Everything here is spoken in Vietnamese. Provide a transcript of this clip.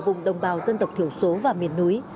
vùng đồng bào dân tộc thiểu số và miền núi